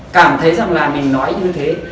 cảm thấy rằng là mình nói như thế